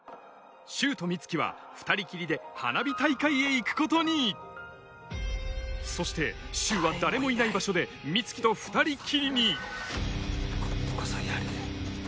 柊と美月は２人きりで花火大会へ行くことにそして柊は誰もいない場所で美月と２人きりに今度こそ殺る